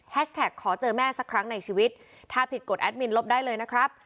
ขอเจอแม่สักครั้งในชีวิตถ้าผิดกดแอดมินลบได้เลยนะครับ